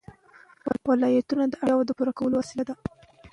ولایتونه د اړتیاوو د پوره کولو وسیله ده.